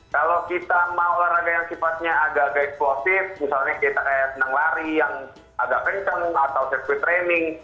kalau kita mau olahraga yang sifatnya agak agak eksplosif misalnya kita kayak senang lari yang agak kencang atau set quick training